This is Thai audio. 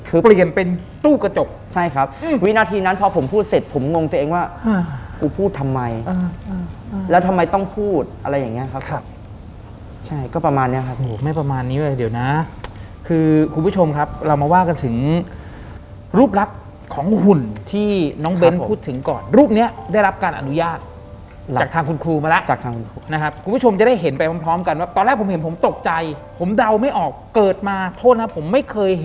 เปลี่ยนเป็นตู้กระจกใช่ครับวินาทีนั้นพอผมพูดเสร็จผมงงตัวเองว่ากูพูดทำไมแล้วทำไมต้องพูดอะไรอย่างนี้ครับครับใช่ก็ประมาณนี้ครับไม่ประมาณนี้ไว้เดี๋ยวนะคือคุณผู้ชมครับเรามาว่ากันถึงรูปรับของหุ่นที่น้องเบ้นพูดถึงก่อนรูปเนี้ยได้รับการอนุญาตจากทางคุณครูมาแล้วจากทางคุณครูนะครับคุณผู้ชมจะได้เห็นไป